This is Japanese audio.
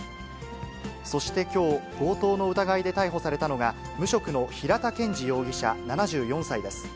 そしてきょう、強盗の疑いで逮捕されたのが、無職の平田健治容疑者７４歳です。